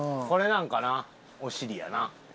これなんかなお尻やな。